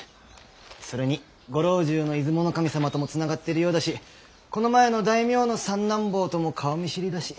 それにご老中の出雲守様ともつながってるようだしこの前の大名の三男坊とも顔見知りだし。